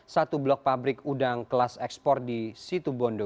satu blok pabrik udang kelas ekspor di situbondo